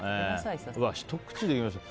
うわ、ひと口でいきました。